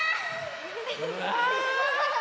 うわ！